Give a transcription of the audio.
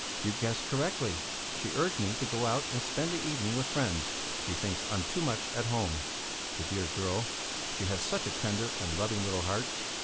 "You guessed correctly. She urged me to go out and spend the evening with friends; she thinks I'm too much at home. The dear girl! She has such a tender and loving little heart."